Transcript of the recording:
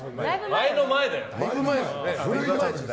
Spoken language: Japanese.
前の前だよ。